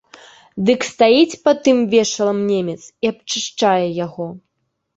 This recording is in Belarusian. Дык стаіць пад тым вешалам немец і абчышчае яго.